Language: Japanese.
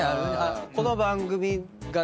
この番組がね